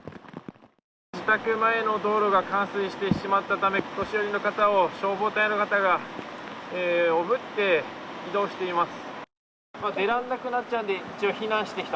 自宅前の道路が冠水してしまったためお年寄りの方を消防隊の方がおぶって移動しています。